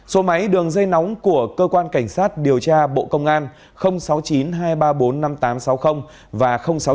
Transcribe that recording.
số máy đường dây nóng của cơ quan cảnh sát điều tra bộ công an sáu mươi chín hai trăm ba mươi bốn năm nghìn tám trăm sáu mươi và sáu mươi chín hai trăm ba mươi một một nghìn sáu trăm